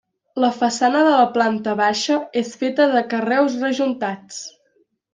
La façana de la planta baixa és feta de carreus rejuntats.